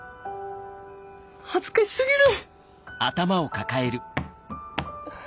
恥ずかし過ぎる！